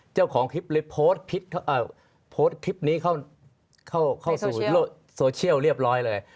เจ้าของคลิปเลยโพสต์คลิปนี้เข้าสู่โซเชียลเรียบร้อยเลย